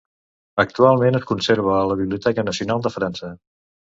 Actualment es conserva a la Biblioteca Nacional de França.